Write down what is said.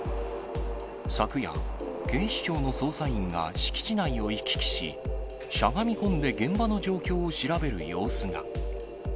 昨夜、警視庁の捜査員が敷地内を行き来し、しゃがみ込んで現場の状況を調べる様子が。